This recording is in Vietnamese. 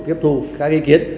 tiếp thu các ý kiến